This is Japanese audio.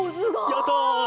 やった！